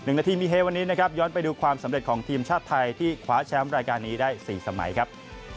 นาทีมีเฮวันนี้นะครับย้อนไปดูความสำเร็จของทีมชาติไทยที่คว้าแชมป์รายการนี้ได้๔สมัยครับ